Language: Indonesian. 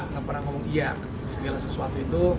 nggak pernah ngomong iya segala sesuatu itu